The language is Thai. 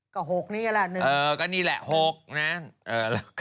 ก็๖นี่แหละ๑นี่แหละ๖นะแล้วก็